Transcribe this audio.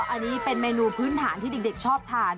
อันนี้เป็นเมนูพื้นฐานที่เด็กชอบทาน